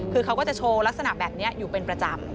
คือเขาก็จะโชว์ลักษณะแบบนี้อยู่เป็นประจำ